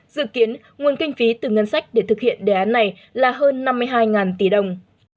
dự kiến nguồn kinh phí từ ngân sách để thực hiện đề án này là hơn năm mươi hai tỷ đồng